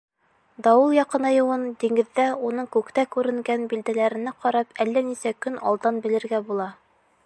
Дауыл яҡынайыуын диңгеҙҙә, уның күктә күренгән билдәләренә ҡарап, әллә нисә көн алдан белергә була.